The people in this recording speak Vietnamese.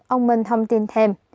ông minh thông tin thêm